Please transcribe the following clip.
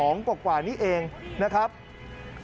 ที่ธนาคารออมสินสาขาทียูโดมลังศิษย์ถนนเชียงรากบางขัน